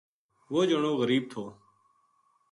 وہ جنو غریب تھو